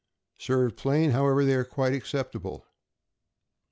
Served plain, however, they are quite acceptable.